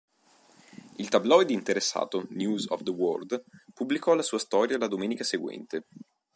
Il tabloid interessato, "News of the World", pubblicò la sua storia la domenica seguente.